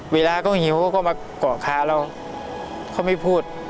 เวลาเขาหิวก็มาก่อค้าเราเค้าไม่พูด